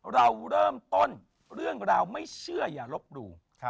เราเริ่มต้นเรื่องราวไม่เชื่ออย่าลบหลู่